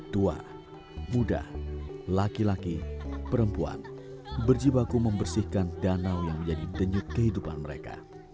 tua muda laki laki perempuan berjibaku membersihkan danau yang menjadi denyut kehidupan mereka